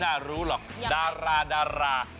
อันนี้พวกคุณไม่น่ารู้หรอก